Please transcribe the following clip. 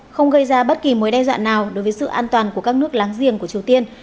không gây ra bất kỳ mối đe dọa nào đối với sự an toàn của các nước láng giềng của triều tiên